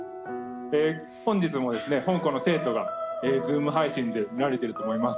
本日もですね本校の生徒がＺｏｏｍ配信で見られていると思います